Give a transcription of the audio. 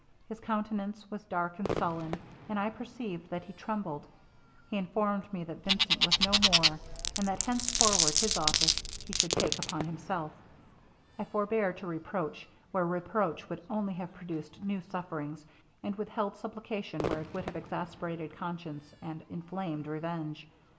His countenance was dark and sullen, and I perceived that he trembled. He informed me that Vincent was no more, and that henceforward his office he should take upon himself. I forbore to reproach where reproach would only have produced new sufferings, and withheld supplication where it would have exasperated conscience and inflamed revenge.